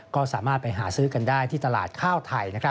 ก็สามารถไปหาซื้อกันได้ที่ตลาดข้าวไทย